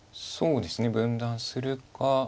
そうですね分断するか。